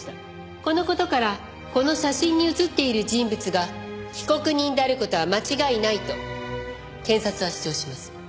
この事からこの写真に写っている人物が被告人である事は間違いないと検察は主張します。